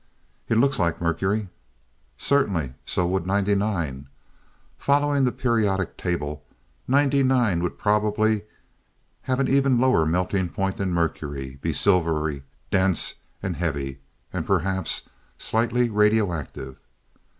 "It looks like mercury " "Certainly. So would 99. Following the periodic table, 99 would probably have an even lower melting point than mercury, be silvery, dense and heavy and perhaps slightly radioactive.